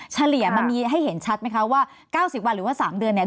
เฉลี่ยมันมีให้เห็นชัดไหมคะว่า๙๐วันหรือว่า๓เดือนเนี่ย